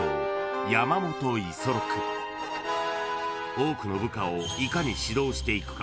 ［多くの部下をいかに指導していくか］